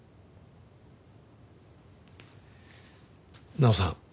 奈央さん